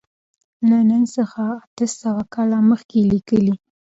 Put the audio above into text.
له نن څخه اته سوه کاله مخکې لیکلی.